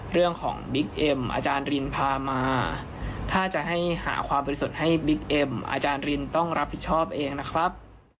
บิ๊กเอ็มอาจารย์รินพามาถ้าจะให้หาความบริสุทธิ์ให้บิ๊กเอ็มอาจารย์รินต้องรับผิดชอบเองนะครับ